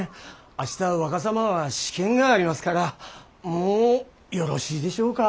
明日若様は試験がありますからもうよろしいでしょうか。